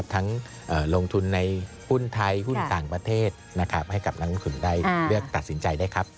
ลงทุนในหุ้นไทยหุ้นต่างประเทศนะครับให้กับนักลงทุนได้เลือกตัดสินใจได้ครับ